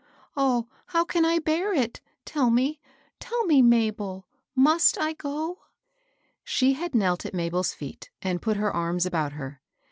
Oh, how can I bear it? Tell me — tell me, Mabel, — must I go?" She had knelt at Mabel's feet and put her arms about her.